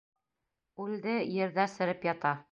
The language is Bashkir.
Үлде, ерҙә сереп ята.